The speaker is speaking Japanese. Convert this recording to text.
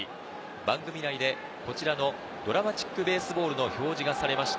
番組内でこちらのＤＲＡＭＡＴＩＣＢＡＳＥＢＡＬＬの表示がされました